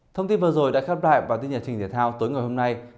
thông tin vừa rồi đã khắp lại vào tin nhật trình thể thao tối ngày hôm nay